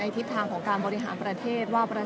และที่อยู่ด้านหลังคุณยิ่งรักนะคะก็คือนางสาวคัตยาสวัสดีผลนะคะ